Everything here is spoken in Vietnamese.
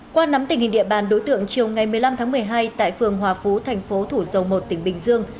qua nắm tình hình địa bàn đối tượng chiều ngày một mươi năm tháng một mươi hai tại phường hòa phú thành phố thủ dầu một tỉnh bình dương